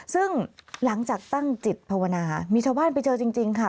ซึ่งหลังจากตั้งจิตภาวนามีชาวบ้านไปเจอจริงค่ะ